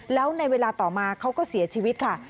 แล้วในเวลาต่อมาเขาก็เสียชีวิตค่ะ